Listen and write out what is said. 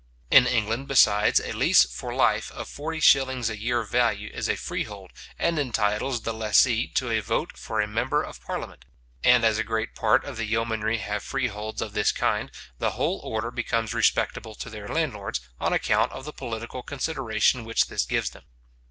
In England, besides, a lease for life of forty shillings a year value is a freehold, and entitles the lessee to a vote for a member of parliament; and as a great part of the yeomanry have freeholds of this kind, the whole order becomes respectable to their landlords, on account of the political consideration which this gives them.